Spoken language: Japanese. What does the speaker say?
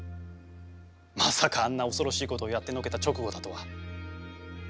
まさかあんな恐ろしい事をやってのけた直後だとは。